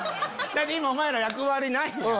今お前ら役割ないやん。